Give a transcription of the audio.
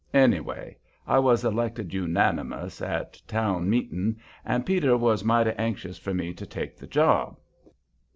Anyway, I was elected unanimous at town meeting, and Peter was mighty anxious for me to take the job.